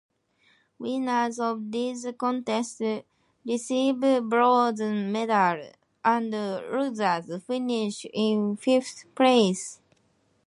Winners of these contests receive bronze medal and losers finish in fifth place.